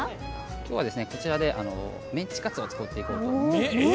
今日は、こちらでメンチカツを作っていこうと。